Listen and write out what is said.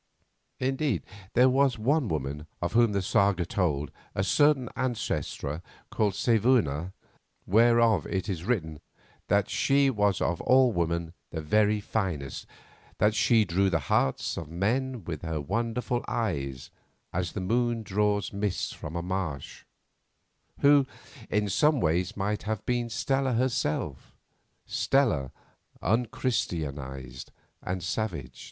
Indeed, there was one woman of whom the saga told, a certain ancestress named Saevuna, whereof it is written "that she was of all women the very fairest, and that she drew the hearts of men with her wonderful eyes as the moon draws mists from a marsh," who, in some ways, might have been Stella herself, Stella unchristianized and savage.